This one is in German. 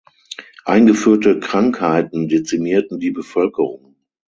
Eingeführte Krankheiten dezimierten die Bevölkerung.